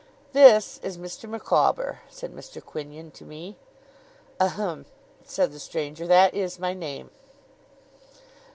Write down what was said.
'This is Mr. Micawber,' said Mr. Quinion to me. 'Ahem!' said the stranger, 'that is my name.